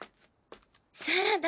サラダ。